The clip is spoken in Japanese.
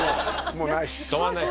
もうないっす。